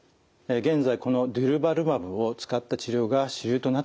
現在このデュルバルマブを使った治療が主流となってきています。